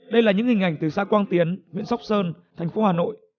đây là những hình ảnh từ xã quang tiến huyện sóc sơn thành phố hà nội